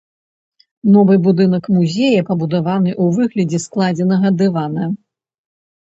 Новы будынак музея пабудаваны ў выглядзе складзенага дывана.